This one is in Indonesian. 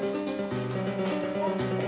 selamat malam bu